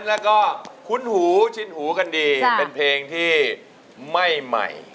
แล้วก็คุ้นหูชินหูกันดีเป็นเพลงที่ไม่ใหม่